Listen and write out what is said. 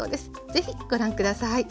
是非ご覧下さい。